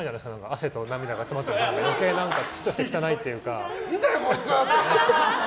汗と涙が詰まった余計土として汚いというか。